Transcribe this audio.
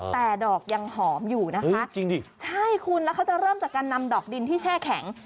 แต่ดอกยังหอมอยู่นะคะจริงดิใช่คุณแล้วเขาจะเริ่มจากการนำดอกดินที่แช่แข็ง